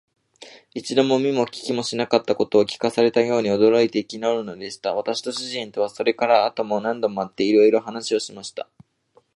一度も見も聞きもしなかったことを聞かされたように、驚いて憤るのでした。私と主人とは、それから後も何度も会って、いろんな話をしました。